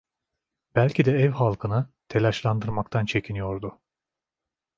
Belki de ev halkını telaşlandırmaktan çekiniyordu.